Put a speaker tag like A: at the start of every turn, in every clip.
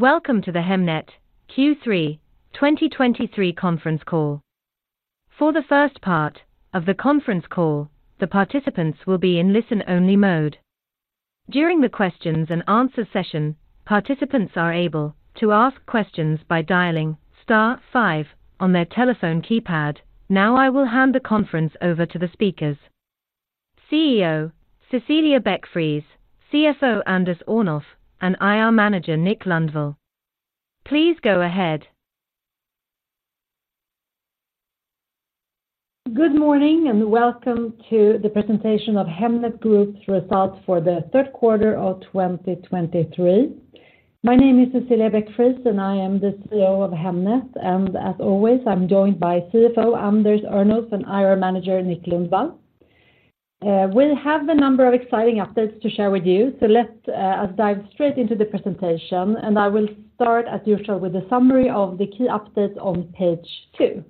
A: Welcome to the Hemnet Q3 2023 Conference Call. For the first part of the conference call, the participants will be in listen-only mode. During the questions and answer session, participants are able to ask questions by dialing star five on their telephone keypad. Now, I will hand the conference over to the speakers, CEO Cecilia Beck-Friis, CFO Anders Örnulf, and IR Manager Nick Lundvall. Please go ahead.
B: Good morning, and welcome to the presentation of Hemnet Group's results for the Q3 of 2023. My name is Cecilia Beck-Friis, and I am the CEO of Hemnet, and as always, I'm joined by CFO Anders Örnulf, and IR Manager, Nick Lundvall. We have a number of exciting updates to share with you, so let's dive straight into the presentation, and I will start, as usual, with a summary of the key updates on page 2.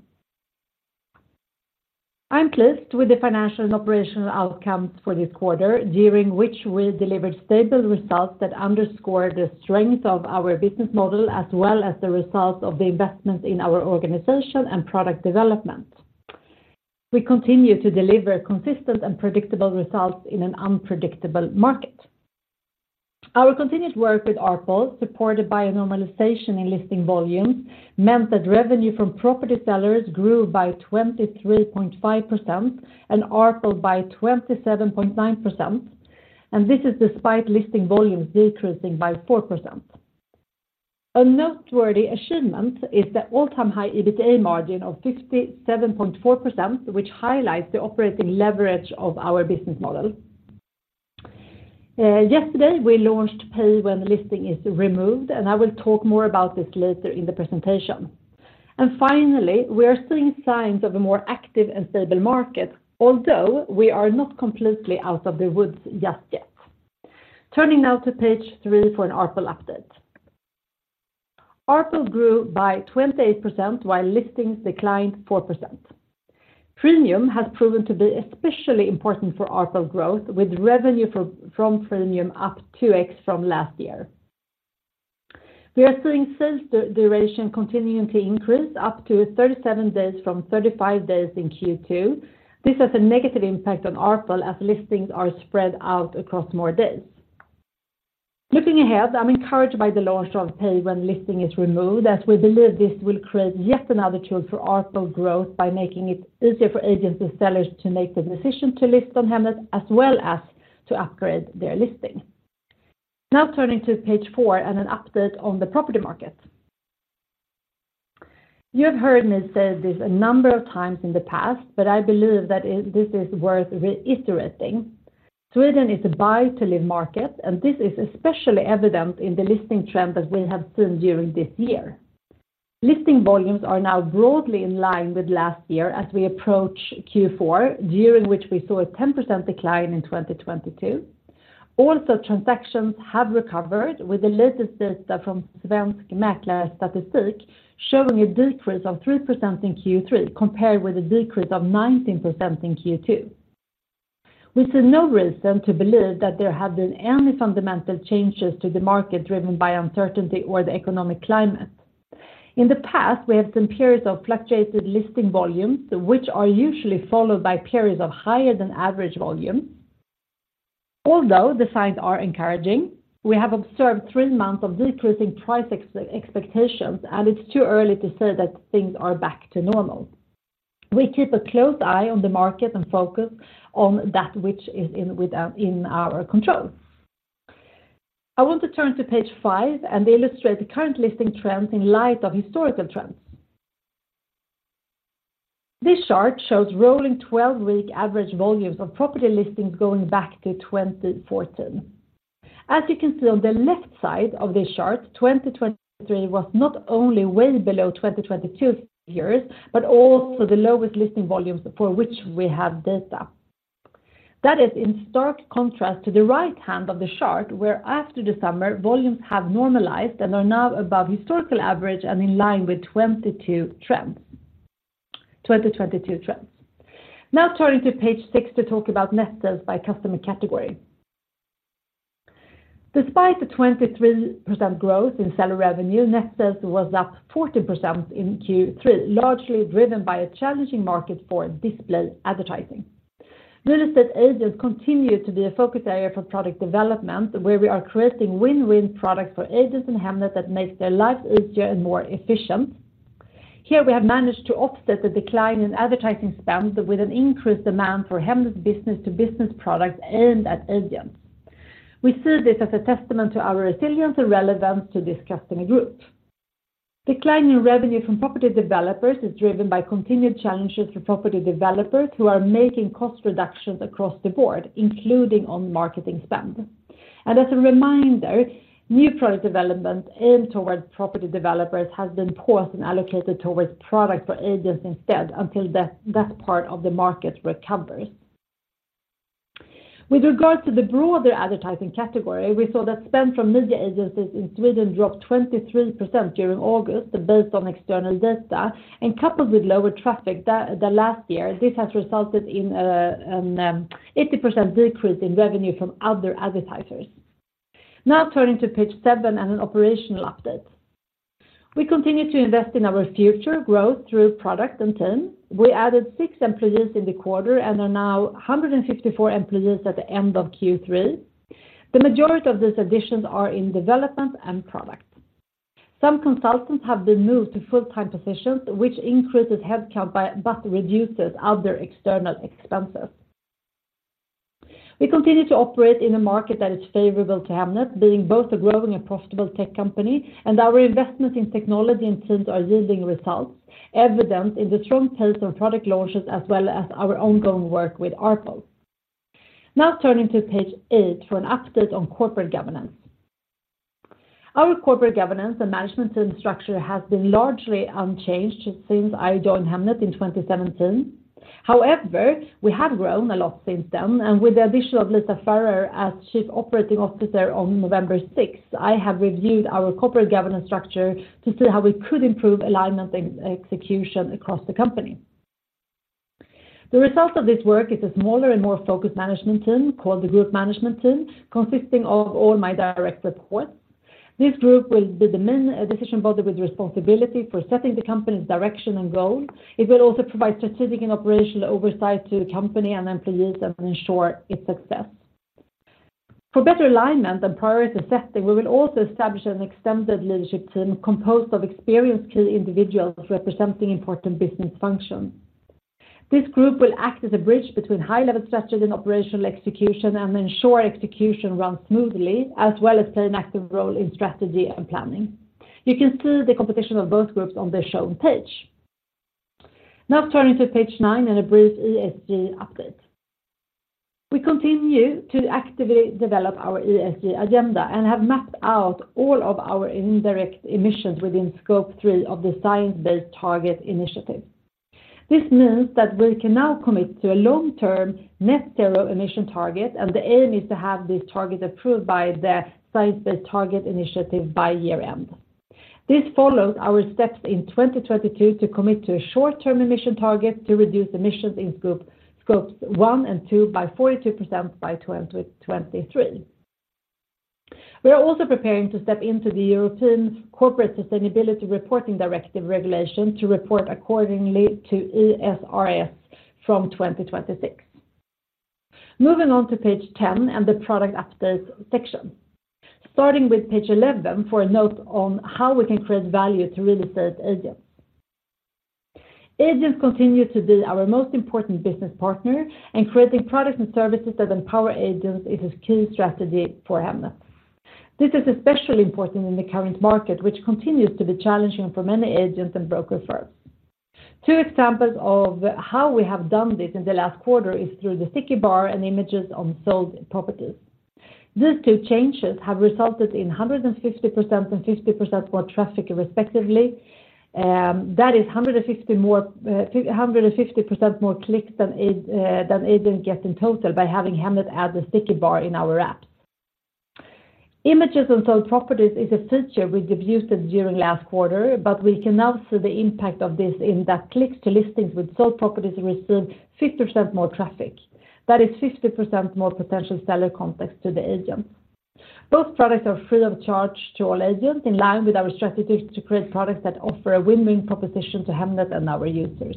B: I'm pleased with the financial and operational outcomes for this quarter, during which we delivered stable results that underscore the strength of our business model, as well as the results of the investments in our organization and product development. We continue to deliver consistent and predictable results in an unpredictable market. Our continued work with ARPL, supported by a normalization in listing volumes, meant that revenue from property sellers grew by 23.5% and ARPL by 27.9%, and this is despite listing volumes decreasing by 4%. A noteworthy achievement is the all-time high EBITDA margin of 57.4%, which highlights the operating leverage of our business model. Yesterday, we launched Pay When Listing Is Removed, and I will talk more about this later in the presentation. And finally, we are seeing signs of a more active and stable market, although we are not completely out of the woods just yet. Turning now to page three for an ARPL update. ARPL grew by 28%, while listings declined 4%. Premium has proven to be especially important for ARPL growth, with revenue from premium up 2x from last year. We are seeing sales duration continuing to increase up to 37 days from 35 days in Q2. This has a negative impact on ARPL as listings are spread out across more days. Looking ahead, I'm encouraged by the launch of Pay When Listing Is Removed, as we believe this will create yet another tool for ARPL growth by making it easier for agents and sellers to make the decision to list on Hemnet, as well as to upgrade their listing. Now, turning to page four and an update on the property market. You have heard me say this a number of times in the past, but I believe that this is worth reiterating. Sweden is a buy-to-live market, and this is especially evident in the listing trend that we have seen during this year. Listing volumes are now broadly in line with last year as we approach Q4, during which we saw a 10% decline in 2022. Also, transactions have recovered, with the latest data from Svensk Mäklarstatistik showing a decrease of 3% in Q3, compared with a decrease of 19% in Q2. We see no reason to believe that there have been any fundamental changes to the market, driven by uncertainty or the economic climate. In the past, we have seen periods of fluctuated listing volumes, which are usually followed by periods of higher than average volumes. Although the signs are encouraging, we have observed three months of decreasing price expectations, and it's too early to say that things are back to normal. We keep a close eye on the market and focus on that which is within our control. I want to turn to page five and illustrate the current listing trends in light of historical trends. This chart shows rolling twelve-week average volumes of property listings going back to 2014. As you can see on the left side of this chart, 2023 was not only way below 2022 years, but also the lowest listing volumes for which we have data. That is in stark contrast to the right hand of the chart, where after the summer, volumes have normalized and are now above historical average and in line with 22 trends - 2022 trends. Now, turning to page six to talk about net sales by customer category. Despite the 23% growth in seller revenue, net sales was up 14% in Q3, largely driven by a challenging market for display advertising. Notice that agents continue to be a focus area for product development, where we are creating win-win products for agents and Hemnet that makes their lives easier and more efficient. Here, we have managed to offset the decline in advertising spend with an increased demand for Hemnet's business-to-business products aimed at agents. We see this as a testament to our resilience and relevance to this customer group. Decline in revenue from property developers is driven by continued challenges for property developers, who are making cost reductions across the board, including on marketing spend. And as a reminder, new product development aimed towards property developers has been paused and allocated towards products for agents instead, until that part of the market recovers. With regards to the broader advertising category, we saw that spend from media agencies in Sweden dropped 23% during August based on external data, and coupled with lower traffic than last year, this has resulted in an 80% decrease in revenue from other advertisers. Now, turning to page seven and an operational update. We continue to invest in our future growth through product and team. We added 6 employees in the quarter and are now 154 employees at the end of Q3. The majority of these additions are in development and product. Some consultants have been moved to full-time positions, which increases headcount by, but reduces other external expenses. We continue to operate in a market that is favorable to Hemnet, being both a growing and profitable tech company, and our investments in technology and teams are yielding results, evident in the strong pace of product launches, as well as our ongoing work with ARPL. Now turning to page 8 for an update on corporate governance. Our corporate governance and management team structure has been largely unchanged since I joined Hemnet in 2017. However, we have grown a lot since then, and with the addition of Lisa Farrar as Chief Operating Officer on November 6, I have reviewed our corporate governance structure to see how we could improve alignment and execution across the company. The result of this work is a smaller and more focused management team, called the Group Management Team, consisting of all my direct reports. This group will be the main decision body with responsibility for setting the company's direction and goals. It will also provide strategic and operational oversight to the company and employees, and ensure its success. For better alignment and priority assessing, we will also establish an extended leadership team composed of experienced key individuals representing important business functions. This group will act as a bridge between high-level strategies and operational execution, and ensure execution runs smoothly, as well as play an active role in strategy and planning. You can see the composition of both groups on the shown page. Now turning to page nine and a brief ESG update. We continue to actively develop our ESG agenda and have mapped out all of our indirect emissions within Scope 3 of the Science Based Targets initiative. This means that we can now commit to a long-term net zero emission target, and the aim is to have this target approved by the Science Based Targets initiative by year-end. This follows our steps in 2022 to commit to a short-term emission target to reduce emissions in Scopes 1 and 2 by 42% by 2023. We are also preparing to step into the European Corporate Sustainability Reporting Directive regulation to report accordingly to ESRS from 2026. Moving on to page 10 and the product updates section. Starting with page 11 for a note on how we can create value to real estate agents. Agents continue to be our most important business partner, and creating products and services that empower agents is a key strategy for Hemnet. This is especially important in the current market, which continues to be challenging for many agents and broker firms. Two examples of how we have done this in the last quarter is through the sticky bar and images on sold properties. These two changes have resulted in 150% and 50% more traffic, respectively. That is 150% more clicks than agents get in total by having Hemnet add the sticky bar in our app. Images on sold properties is a feature we debuted during last quarter, but we can now see the impact of this in that clicks to listings with sold properties received 50% more traffic. That is 50% more potential seller contacts to the agent. Both products are free of charge to all agents, in line with our strategy to create products that offer a win-win proposition to Hemnet and our users.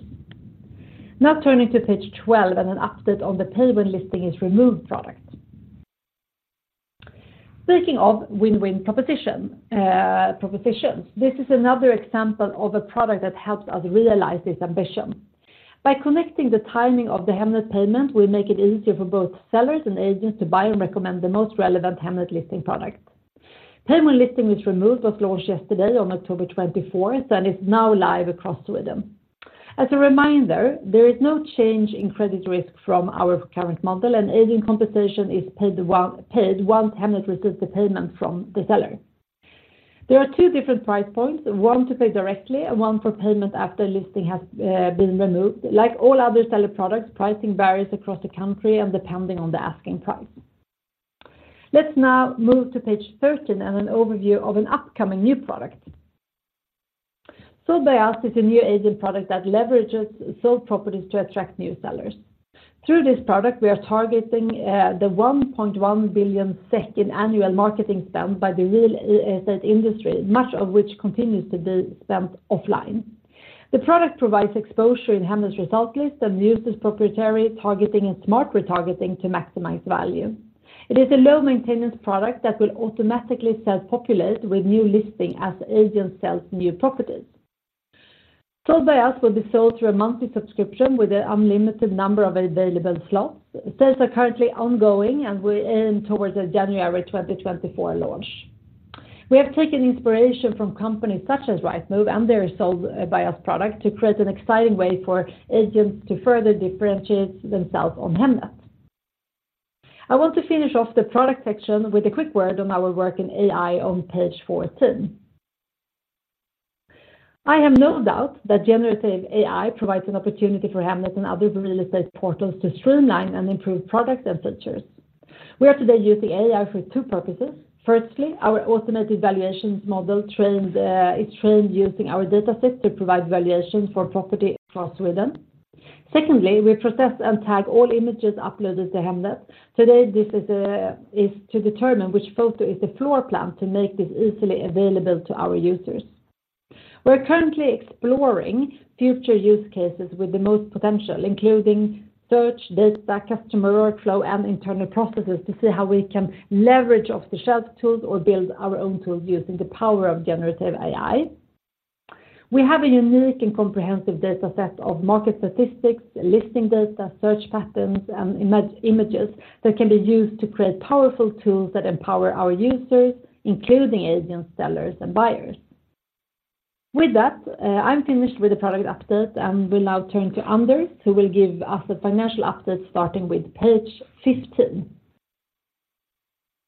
B: Now, turning to page 12 and an update on the Pay When Listing is Removed product. Speaking of win-win proposition, propositions, this is another example of a product that helps us realize this ambition. By connecting the timing of the Hemnet payment, we make it easier for both sellers and agents to buy and recommend the most relevant Hemnet listing product. Pay When Listing is Removed was launched yesterday on October 24, and is now live across Sweden. As a reminder, there is no change in credit risk from our current model, and agent compensation is paid once Hemnet receives the payment from the seller. There are two different price points, one to pay directly and one for payment after listing has been removed. Like all other seller products, pricing varies across the country and depending on the asking price. Let's now move to page 13 and an overview of an upcoming new product. Sold By Us is a new agent product that leverages sold properties to attract new sellers. Through this product, we are targeting the 1.1 billion in annual marketing spend by the real estate industry, much of which continues to be spent offline. The product provides exposure in Hemnet's result list and uses proprietary targeting and smart retargeting to maximize value. It is a low-maintenance product that will automatically self-populate with new listings as agent sells new properties. Sold By Us will be sold through a monthly subscription with an unlimited number of available slots. Sales are currently ongoing, and we aim towards a January 2024 launch. We have taken inspiration from companies such as Rightmove and their Sold By Us product to create an exciting way for agents to further differentiate themselves on Hemnet. I want to finish off the product section with a quick word on our work in AI on page 14. I have no doubt that generative AI provides an opportunity for Hemnet and other real estate portals to streamline and improve products and features. We are today using AI for two purposes. Firstly, our automated valuations model trained, is trained using our dataset to provide valuations for property across Sweden. Secondly, we process and tag all images uploaded to Hemnet. Today, this is, is to determine which photo is the floor plan to make this easily available to our users. We're currently exploring future use cases with the most potential, including search, data, customer workflow, and internal processes, to see how we can leverage off-the-shelf tools or build our own tools using the power of generative AI. We have a unique and comprehensive data set of market statistics, listing data, search patterns, and images that can be used to create powerful tools that empower our users, including agents, sellers, and buyers. With that, I'm finished with the product update and will now turn to Anders, who will give us a financial update, starting with page 15.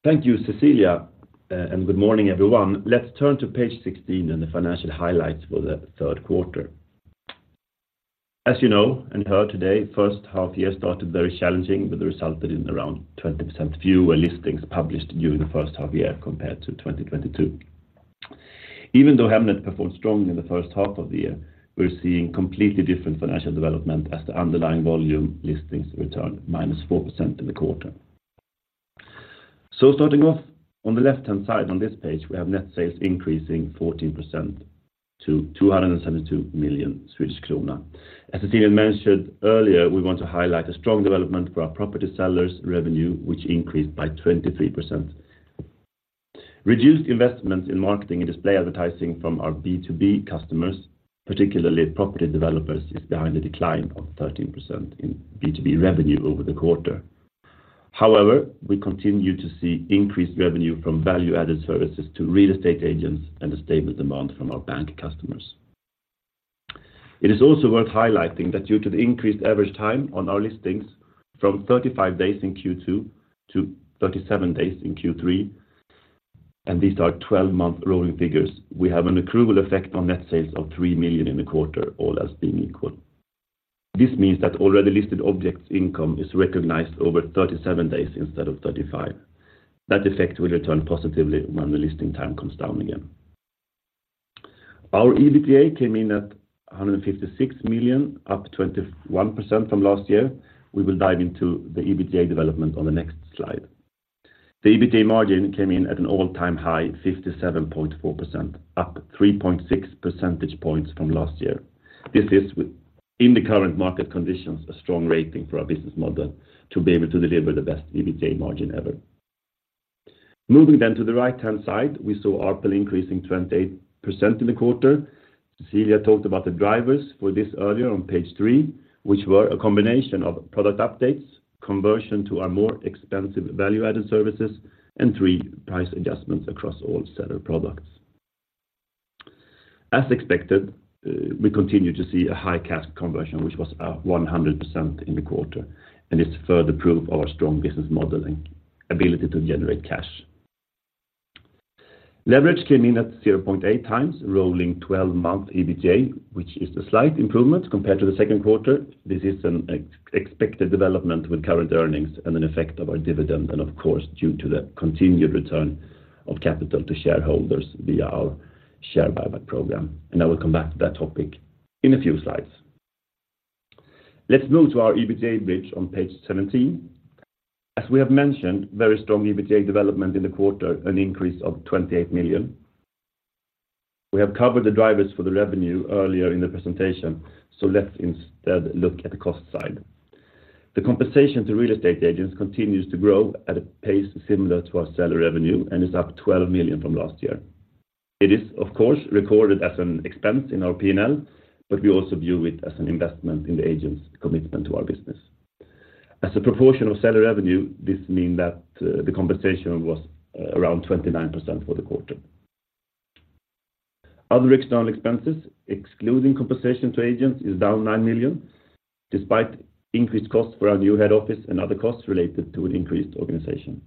C: Thank you, Cecilia, and good morning, everyone. Let's turn to page 16 and the financial highlights for the Q3. As you know and heard today, H1 year started very challenging, but resulted in around 20% fewer listings published during the H1 year compared to 2022. Even though Hemnet performed strongly in the H1 of the year, we're seeing completely different financial development as the underlying volume listings return -4% in the quarter. So starting off on the left-hand side, on this page, we have net sales increasing 14% to 272 million Swedish krona. As Cecilia mentioned earlier, we want to highlight a strong development for our property sellers' revenue, which increased by 23%. Reduced investments in marketing and display advertising from our B2B customers, particularly property developers, is behind the decline of 13% in B2B revenue over the quarter. However, we continue to see increased revenue from value-added services to real estate agents and a stable demand from our bank customers. It is also worth highlighting that due to the increased average time on our listings from 35 days in Q2 to 37 days in Q3, and these are 12-month rolling figures, we have an accrual effect on net sales of 3 million in the quarter, all else being equal. This means that already listed objects' income is recognized over 37 days instead of 35. That effect will return positively when the listing time comes down again. Our EBITDA came in at 156 million, up 21% from last year. We will dive into the EBITDA development on the next slide. The EBITDA margin came in at an all-time high, 57.4%, up 3.6 percentage points from last year. This is, in the current market conditions, a strong rating for our business model to be able to deliver the best EBITDA margin ever. Moving then to the right-hand side, we saw ARPL increasing 28% in the quarter. Cecilia talked about the drivers for this earlier on page 3, which were a combination of product updates, conversion to our more expensive value-added services, and 3, price adjustments across all seller products. As expected, we continue to see a high cash conversion, which was, 100% in the quarter, and it's further proof of our strong business model and ability to generate cash. Leverage came in at 0.8x, rolling twelve-month EBITDA, which is a slight improvement compared to the Q2. This is an expected development with current earnings and an effect of our dividend, and of course, due to the continued return of capital to shareholders via our share buyback program. And I will come back to that topic in a few slides. Let's move to our EBITDA bridge on page 17. As we have mentioned, very strong EBITDA development in the quarter, an increase of 28 million. We have covered the drivers for the revenue earlier in the presentation, so let's instead look at the cost side. The compensation to real estate agents continues to grow at a pace similar to our seller revenue and is up 12 million from last year. It is, of course, recorded as an expense in our P&L, but we also view it as an investment in the agent's commitment to our business. As a proportion of seller revenue, this mean that, the compensation was, around 29% for the quarter. Other external expenses, excluding compensation to agents, is down 9 million, despite increased costs for our new head office and other costs related to an increased organization.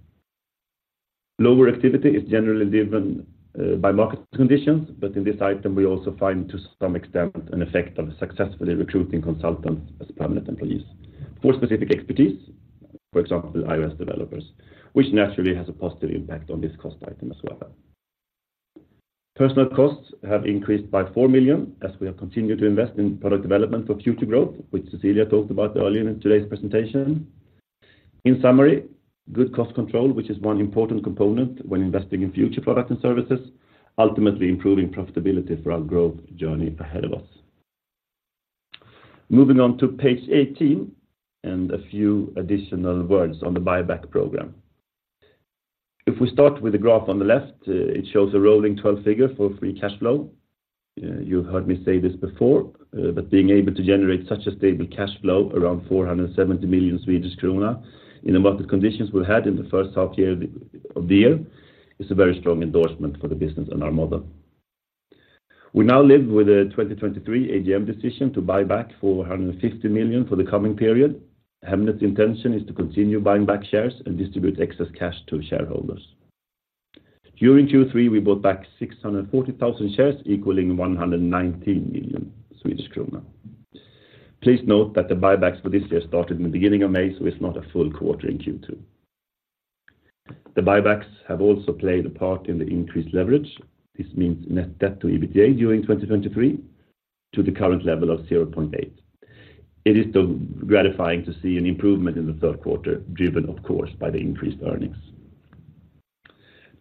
C: Lower activity is generally driven, by market conditions, but in this item, we also find, to some extent, an effect of successfully recruiting consultants as permanent employees for specific expertise, for example, iOS developers, which naturally has a positive impact on this cost item as well. Personnel costs have increased by 4 million, as we have continued to invest in product development for future growth, which Cecilia talked about earlier in today's presentation. In summary, good cost control, which is one important component when investing in future products and services, ultimately improving profitability for our growth journey ahead of us. Moving on to page 18, and a few additional words on the buyback program. If we start with the graph on the left, it shows a rolling twelve figure for free cash flow. You've heard me say this before, but being able to generate such a stable cash flow, around 470 million Swedish krona, in the market conditions we've had in the H1 year of the year, is a very strong endorsement for the business and our model. We now live with the 2023 AGM decision to buy back 450 million for the coming period. Hemnet's intention is to continue buying back shares and distribute excess cash to shareholders. During Q3, we bought back 640,000 shares, equaling 119 million Swedish krona. Please note that the buybacks for this year started in the beginning of May, so it's not a full quarter in Q2. The buybacks have also played a part in the increased leverage. This means net debt to EBITDA during 2023, to the current level of 0.8. It is, though, gratifying to see an improvement in the Q3, driven, of course, by the increased earnings.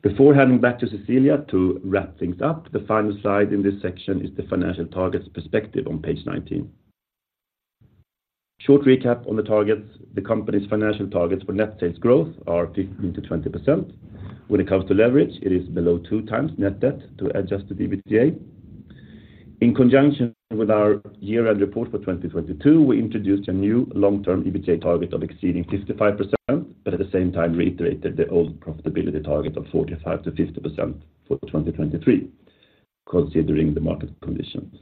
C: Before handing back to Cecilia to wrap things up, the final slide in this section is the financial targets perspective on page 19. Short recap on the targets. The company's financial targets for net sales growth are 15%-20%. When it comes to leverage, it is below 2x net debt to adjusted EBITDA. In conjunction with our year-end report for 2022, we introduced a new long-term EBITDA target of exceeding 55%, but at the same time, reiterated the old profitability target of 45%-50% for 2023, considering the market conditions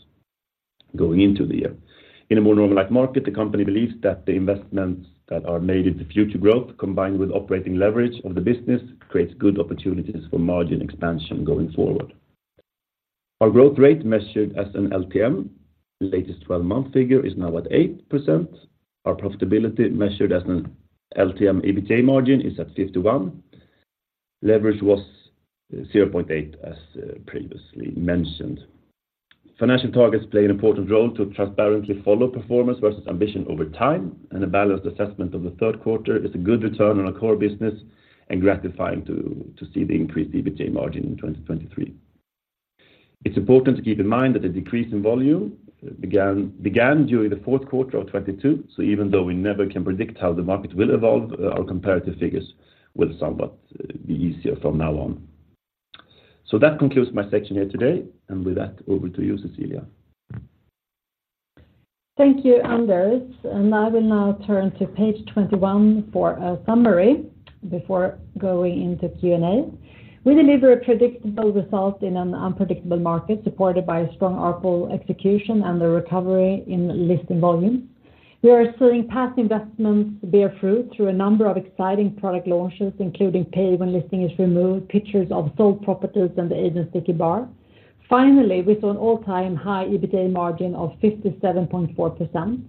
C: going into the year. In a more normal-like market, the company believes that the investments that are made into future growth, combined with operating leverage of the business, creates good opportunities for margin expansion going forward. Our growth rate, measured as an LTM, latest twelve month figure, is now at 8%. Our profitability, measured as an LTM EBITDA margin, is at 51%. Leverage was 0.8, as previously mentioned. Financial targets play an important role to transparently follow performance versus ambition over time, and a balanced assessment of the Q3 is a good return on our core business and gratifying to see the increased EBITDA margin in 2023. It's important to keep in mind that the decrease in volume began during the Q4 of 2022, so even though we never can predict how the market will evolve, our comparative figures will somewhat be easier from now on. So that concludes my section here today, and with that, over to you, Cecilia.
B: Thank you, Anders, and I will now turn to page 21 for a summary before going into Q&A. We deliver a predictable result in an unpredictable market, supported by a strong ARPL execution and the recovery in listing volume. We are seeing past investments bear fruit through a number of exciting product launches, including Pay When Listing Is Removed, pictures of sold properties, and the agent sticky bar. Finally, we saw an all-time high EBITDA margin of 57.4%,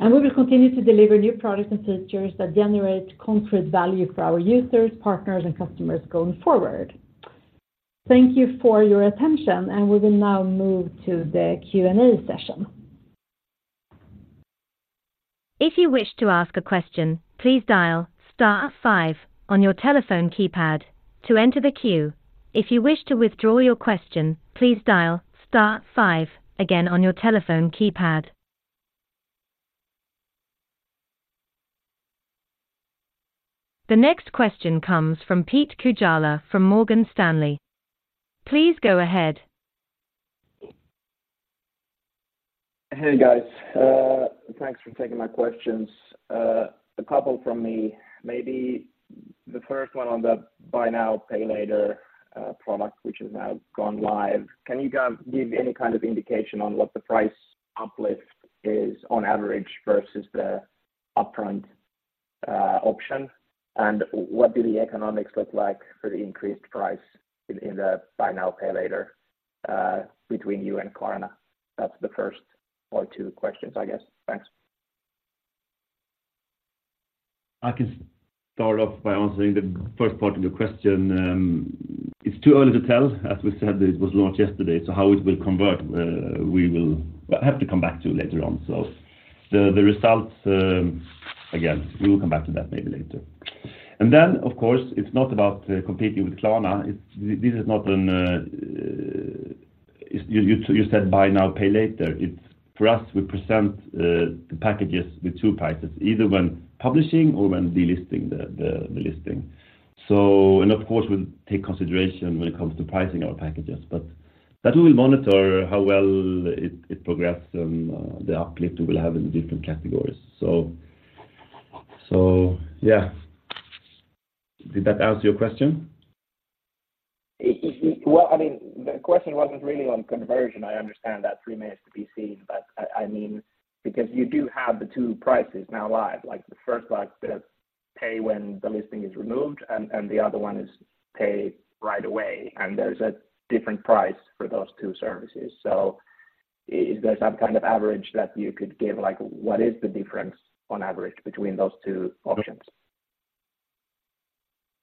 B: and we will continue to deliver new products and features that generate concrete value for our users, partners, and customers going forward. Thank you for your attention, and we will now move to the Q&A session.
A: If you wish to ask a question, please dial star five on your telephone keypad to enter the queue. If you wish to withdraw your question, please dial star five again on your telephone keypad. The next question comes from Pete Kujala from Morgan Stanley. Please go ahead.
D: Hey, guys, thanks for taking my questions. A couple from me. Maybe the first one on the buy now, pay later product, which has now gone live. Can you give any kind of indication on what the price uplift is on average versus the upfront option? And what do the economics look like for the increased price in the buy now, pay later between you and Klarna? That's the first or two questions, I guess. Thanks.
C: I can start off by answering the first part of your question. It's too early to tell. As we said, it was launched yesterday, so how it will convert, we will have to come back to later on. So the results, again, we will come back to that maybe later. Then, of course, it's not about competing with Klarna. It's this is not an. You said buy now, pay later. It's for us, we present the packages with two prices, either when publishing or when delisting the listing. So, of course, we'll take consideration when it comes to pricing our packages, but that we will monitor how well it progressed and the uplift we will have in the different categories. So, yeah. Did that answer your question?
D: Well, I mean, the question wasn't really on conversion. I understand that remains to be seen, but I, I mean, because you do have the two prices now live, like, the first one is the pay when the listing is removed, and, and the other one is pay right away, and there's a different price for those two services. So is there some kind of average that you could give? Like, what is the difference on average between those two options?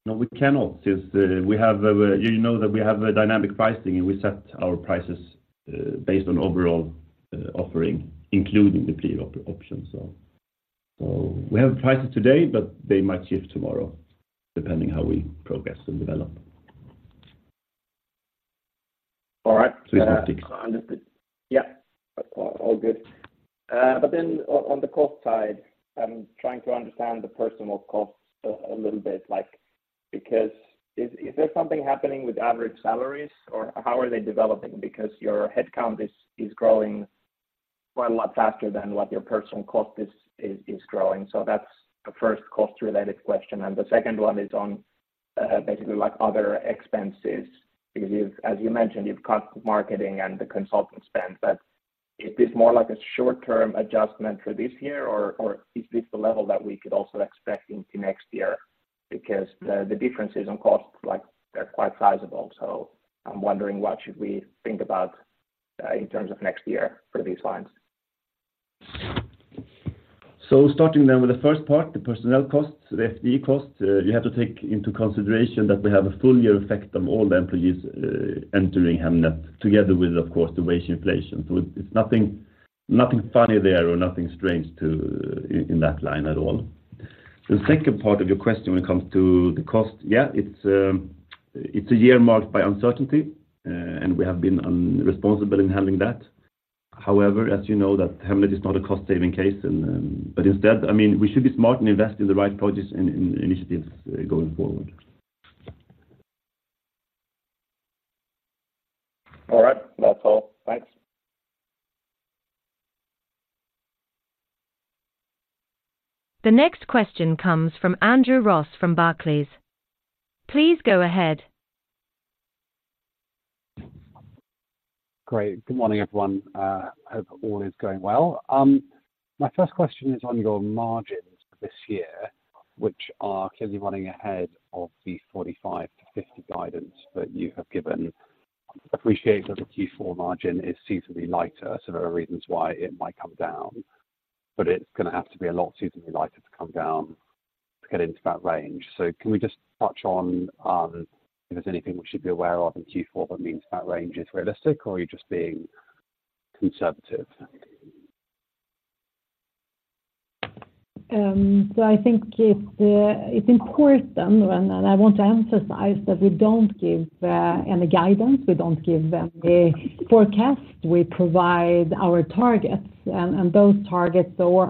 C: No, we cannot, since we have a, you know, that we have a dynamic pricing, and we set our prices based on overall offering, including the pay option. So, so we have prices today, but they might shift tomorrow, depending how we progress and develop.
D: All right.
C: It's not fixed.
D: Understood. Yeah, all good. But then on the cost side, I'm trying to understand the personnel costs a little bit, like, because is there something happening with average salaries, or how are they developing? Because your headcount is growing quite a lot faster than what your personnel cost is growing. So that's the first cost-related question. And the second one is on, basically, like, other expenses, because as you mentioned, you've cut marketing and the consultant spend, but is this more like a short-term adjustment for this year, or is this the level that we could also expect into next year? Because the differences on costs, like, they're quite sizable. So I'm wondering, what should we think about in terms of next year for these lines?
C: So starting then with the first part, the personnel costs, the FD costs, you have to take into consideration that we have a full year effect of all the employees entering Hemnet, together with, of course, the wage inflation. So it's nothing, nothing funny there or nothing strange in that line at all. The second part of your question when it comes to the cost, yeah, it's a year marked by uncertainty, and we have been responsible in handling that. However, as you know, that Hemnet is not a cost-saving case and but instead, I mean, we should be smart and invest in the right projects and initiatives going forward.
D: All right. That's all. Thanks.
A: The next question comes from Andrew Ross from Barclays. Please go ahead.
E: Great. Good morning, everyone. Hope all is going well. My first question is on your margins this year, which are clearly running ahead of the 45%-50% guidance that you have given. Appreciate that the Q4 margin is seasonally lighter, so there are reasons why it might come down, but it's gonna have to be a lot seasonally lighter to come down to get into that range. So can we just touch on if there's anything we should be aware of in Q4 that means that range is realistic, or are you just being conservative?
B: So I think it's important, and I want to emphasize that we don't give any guidance, we don't give any forecast. We provide our targets, and those targets are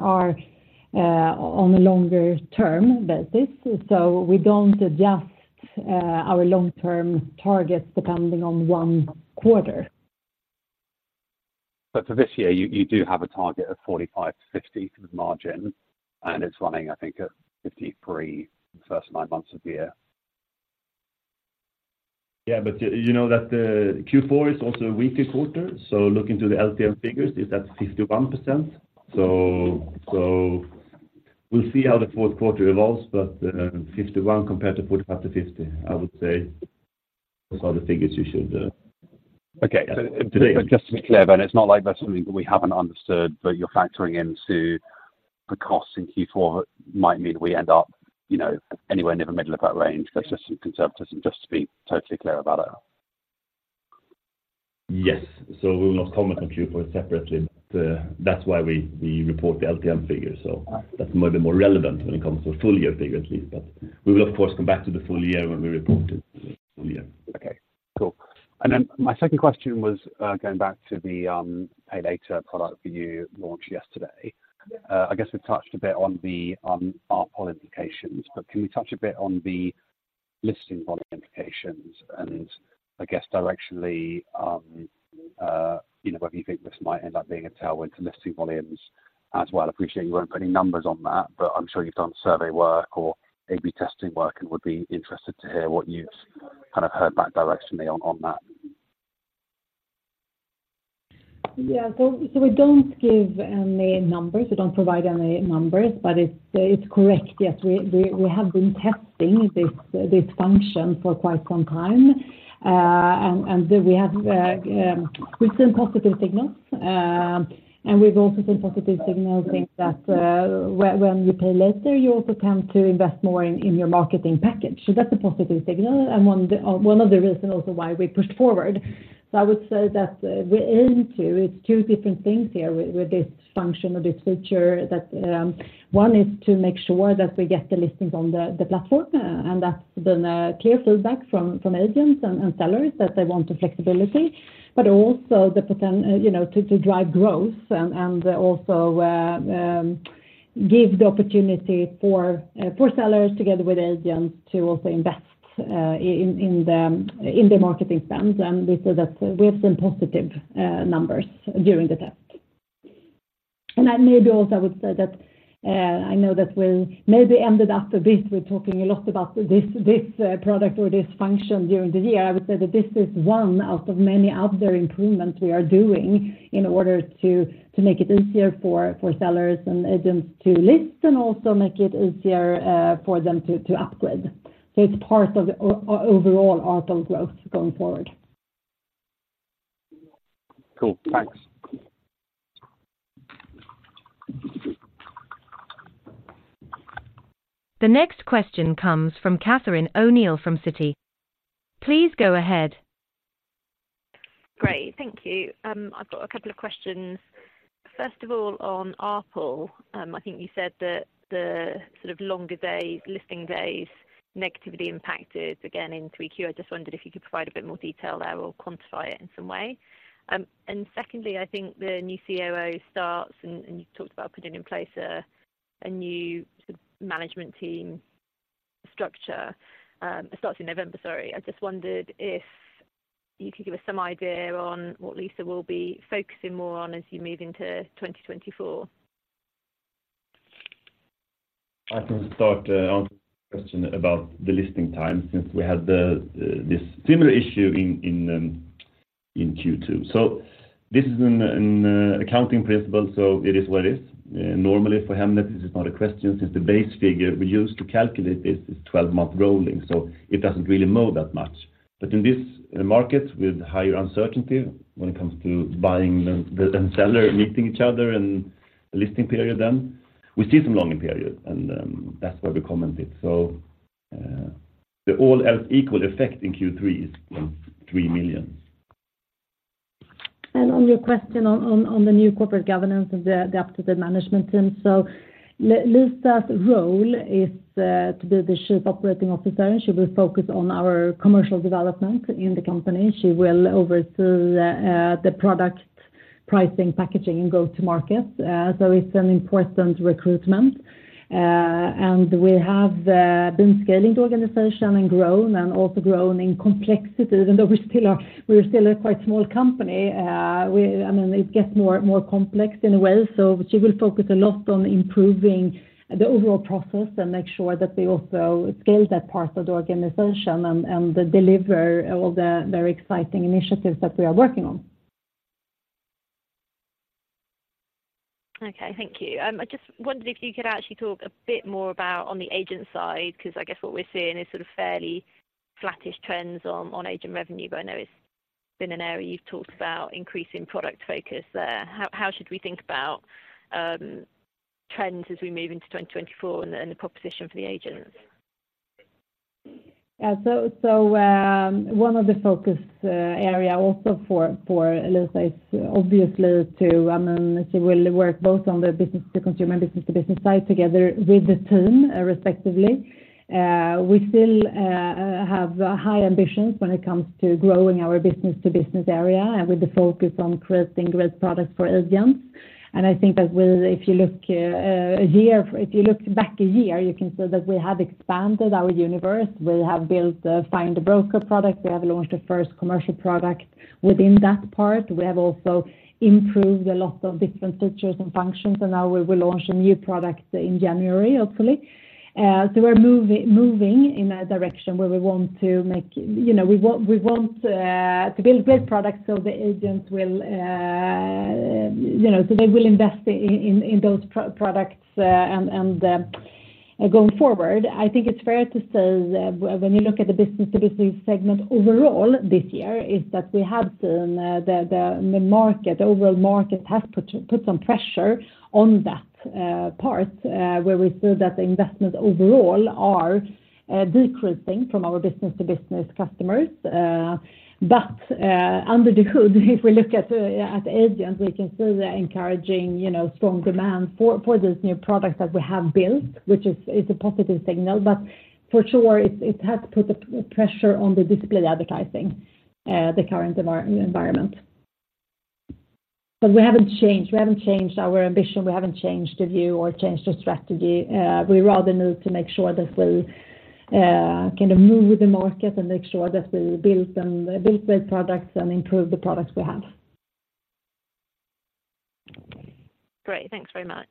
B: on a longer term basis, so we don't adjust our long-term targets depending on one quarter.
E: But for this year, you do have a target of 45%-50% for the margin, and it's running, I think, at 53% the first 9 months of the year.
C: Yeah, but you know that the Q4 is also a weaker quarter, so looking to the LTM figures, is at 51%. So, so we'll see how the Q4 evolves, but, 51 compared to 45-50, I would say those are the figures you should,
E: Okay. Just to be clear then, it's not like that's something that we haven't understood, but you're factoring into the costs in Q4 might mean we end up, you know, anywhere near the middle of that range. That's just some conservatism, just to be totally clear about it.
C: Yes. So we will not comment on Q4 separately, but that's why we, we report the LTM figures. So that might be more relevant when it comes to a full year figure, at least. But we will, of course, come back to the full year when we report it, full year.
E: Okay, cool. And then my second question was, going back to the, pay later product that you launched yesterday. I guess we've touched a bit on the, our implications, but can we touch a bit on the listing volume implications and I guess directionally, you know, whether you think this might end up being a tailwind to listing volumes as well? I appreciate you won't put any numbers on that, but I'm sure you've done survey work or maybe testing work and would be interested to hear what you've kind of heard back directionally on, on that.
B: Yeah. So we don't give any numbers, we don't provide any numbers, but it's correct. Yes, we have been testing this function for quite some time, and we've seen positive signals, and we've also seen positive signals in that, when you pay later, you also tend to invest more in your marketing package. So that's a positive signal and one of the reasons also why we pushed forward. So I would say that we aim to, it's two different things here with this function or this feature, that one is to make sure that we get the listings on the platform, and that's been a clear feedback from agents and sellers, that they want the flexibility, but also you know, to drive growth and also give the opportunity for sellers together with agents to also invest in their marketing spends. And we see that we have seen positive numbers during the test. And I maybe also would say that I know that we maybe ended up a bit, we're talking a lot about this product or this function during the year. I would say that this is one out of many other improvements we are doing in order to make it easier for sellers and agents to list, and also make it easier for them to upgrade. So it's part of the overall ARPL growth going forward.
E: Cool, thanks.
A: The next question comes from Catherine O'Neill, from Citi. Please go ahead.
F: Great. Thank you. I've got a couple of questions. First of all, on ARPL, I think you said that the sort of longer days, listing days, negatively impacted again in Q3. I just wondered if you could provide a bit more detail there or quantify it in some way. And secondly, I think the new COO starts, and you talked about putting in place a new management team structure, starts in November, sorry. I just wondered if you could give us some idea on what Lisa will be focusing more on as you move into 2024.
C: I can start on the question about the listing time, since we had this similar issue in Q2. So this is an accounting principle, so it is what it is. Normally for Hemnet, this is not a question, since the base figure we use to calculate this is twelve-month rolling, so it doesn't really move that much. But in this market, with higher uncertainty when it comes to buying and the seller meeting each other and listing period, then we see some longer periods, and that's why we commented. So, the all else equal effect in Q3 is 3 million.
B: On your question on the new corporate governance and the updated management team. So Lisa's role is to be the Chief Operating Officer. She will focus on our commercial development in the company. She will oversee the product pricing, packaging, and go-to-market. So it's an important recruitment, and we have been scaling the organization and grown, and also grown in complexity, even though we still are, we're still a quite small company. We, I mean, it gets more complex in a way, so she will focus a lot on improving the overall process and make sure that we also scale that part of the organization and deliver all the very exciting initiatives that we are working on.
F: Okay, thank you. I just wondered if you could actually talk a bit more about on the agent side, because I guess what we're seeing is sort of fairly flattish trends on agent revenue, but I know it's been an area you've talked about increasing product focus there. How should we think about trends as we move into 2024 and the proposition for the agents?
B: Yeah. One of the focus area also for Lisa is obviously to, she will work both on the business-to-consumer and business-to-business side, together with the team, respectively. We still have high ambitions when it comes to growing our business-to-business area and with the focus on creating great products for agents. And I think that we'll, if you look back a year, you can see that we have expanded our universe. We have built a Find the Broker product. We have launched the first commercial product within that part. We have also improved a lot of different features and functions, and now we will launch a new product in January, hopefully. So we're moving in a direction where we want to make, you know, we want to build great products so the agents will, you know, so they will invest in those products, and going forward. I think it's fair to say that when you look at the business to business segment overall this year, is that we have seen the market, the overall market has put some pressure on that part, where we see that the investments overall are decreasing from our business to business customers. But under the hood, if we look at agents, we can see the encouraging, you know, strong demand for those new products that we have built, which is a positive signal. But for sure, it's it has put the pressure on the disciplined advertising, the current environment. But we haven't changed. We haven't changed our ambition. We haven't changed the view or changed our strategy. We rather move to make sure that we kind of move with the market and make sure that we build and build great products and improve the products we have.
F: Great. Thanks very much.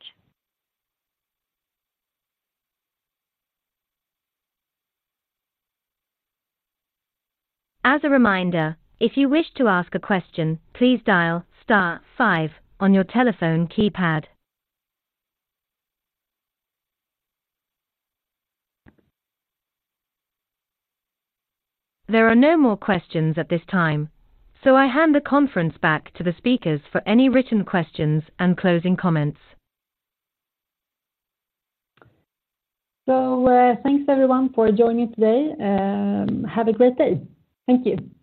A: As a reminder, if you wish to ask a question, please dial star five on your telephone keypad. There are no more questions at this time, so I hand the conference back to the speakers for any written questions and closing comments.
B: Thanks, everyone, for joining today. Have a great day. Thank you.